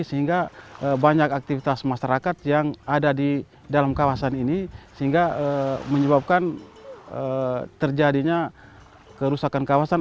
sehingga banyak aktivitas masyarakat yang ada di dalam kawasan ini sehingga menyebabkan terjadinya kerusakan kawasan